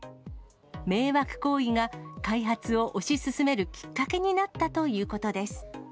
迷惑行為が開発を推し進めるきっかけになったということです。